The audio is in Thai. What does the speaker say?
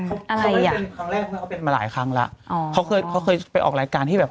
อะไรอ่ะครั้งแรกเขาเป็นมาหลายครั้งแล้วอ๋อเขาเคยเขาเคยไปออกรายการที่แบบ